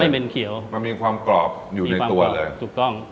ไม่เหม็นเขียวมันมีความกรอบอยู่ในตัวเลยมีความกรอบถูกต้อง